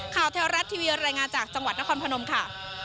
เทวรัฐทีวีรายงานจากจังหวัดนครพนมค่ะ